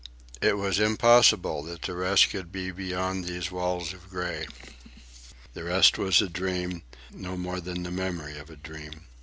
It was impossible, that the rest could be beyond these walls of grey. The rest was a dream, no more than the memory of a dream.